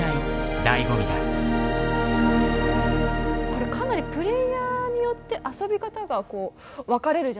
これかなりプレイヤーによって遊び方が分かれるじゃないですか。